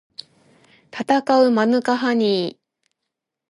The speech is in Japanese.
たたかうマヌカハニー